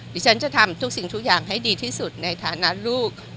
ดิฉันจะทำทุกสิ่งทุกอย่างให้ดีที่สุดในฐานะลูก